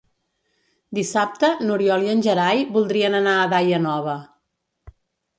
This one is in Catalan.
Dissabte n'Oriol i en Gerai voldrien anar a Daia Nova.